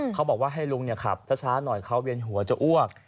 เขาบอกว่าให้ลุงขับช้าหน่อยเขาเวียนหัวจะอ้วก